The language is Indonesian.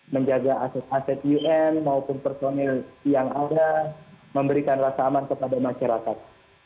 menjaga aset aset un maupun personil yang ada memberikan rasa aman kepada masyarakat